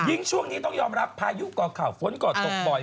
ช่วงนี้ต้องยอมรับพายุก่อข่าวฝนก่อตกบ่อย